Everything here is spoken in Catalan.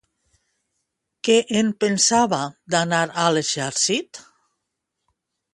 Què en pensava, d'anar a l'exèrcit?